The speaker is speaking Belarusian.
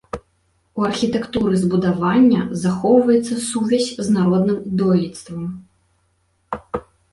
У архітэктуры збудавання захоўваецца сувязь з народным дойлідствам.